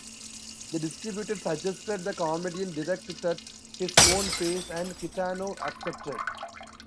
The distributor suggested the comedian direct it at his own pace, and Kitano accepted.